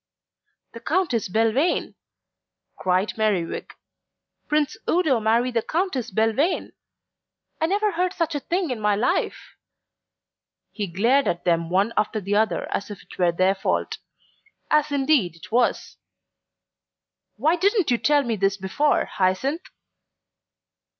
"The Countess Belvane!" cried Merriwig. "Prince Udo marry the Countess Belvane! I never heard such a thing in my life." He glared at them one after the other as if it were their fault as indeed it was. "Why didn't you tell me this before, Hyacinth?"